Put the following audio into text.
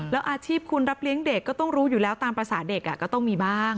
แล้วอาชีพคุณรับเลี้ยงเด็กก็ต้องรู้อยู่แล้วตามภาษาเด็กก็ต้องมีบ้าง